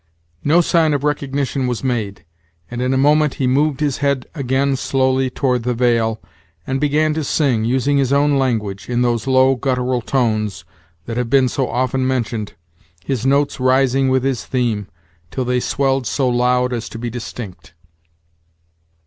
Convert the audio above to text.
No sign of recognition was made: and in a moment he moved his head again slowly toward the vale, and began to sing, using his own language, in those low, guttural tones, that have been so often mentioned, his notes rising with his theme, till they swelled so loud as to be distinct.